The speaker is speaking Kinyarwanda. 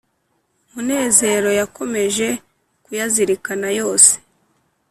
munezero yakomeje kuyazirikana yose